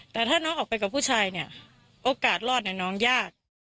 แต่ถ้าน้องออกไปกับผู้ชายเนี่ยโอกาสรอดเนี่ยน้องยาก